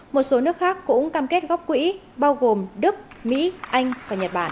một số nước khác cũng cam kết góp quỹ bao gồm đức mỹ anh và nhật bản